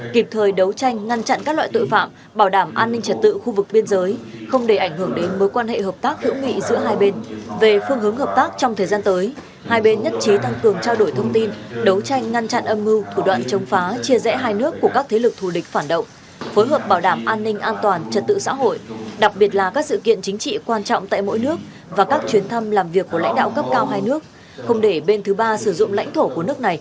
kịp thời đấu tranh ngăn chặn các loại tội phạm bảo đảm an ninh trật tự khu vực biên giới không để ảnh hưởng đến mối quan hệ hợp tác hữu nghị giữa hai bên về phương hướng hợp tác trong thời gian tới hai bên nhất trí tăng cường trao đổi thông tin đấu tranh ngăn chặn âm mưu thủ đoạn chống phá chia rẽ hai nước của các thế lực thù địch phản động phối hợp bảo đảm an ninh an toàn trật tự xã hội đặc biệt là các sự kiện chính trị quan trọng tại mỗi nước và các chuyến thăm làm việc của lãnh đạo cấp cao hai nước không để bên thứ ba